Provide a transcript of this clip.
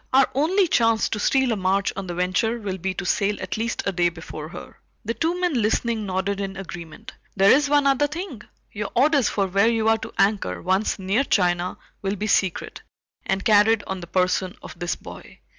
"Our only chance to steal a march on the Venture will be to sail at least a day before her." The two men listening nodded in agreement. "There is one other thing. Your orders for where you are to anchor, once near China, will be secret, and carried on the person of this boy."